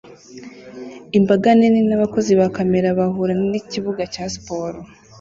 Imbaga nini nabakozi ba kamera bahura nikibuga cya siporo